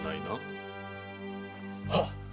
はっ！